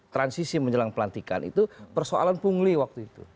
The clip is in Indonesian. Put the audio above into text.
transisi menjelang pelantikan itu persoalan pungli waktu itu